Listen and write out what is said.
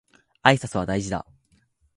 挨拶は大事だ